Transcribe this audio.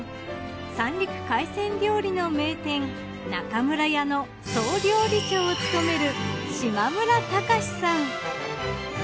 三陸海鮮料理の名店中村家の総料理長を務める。